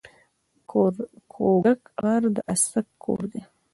کوږک غر د اڅک کور دی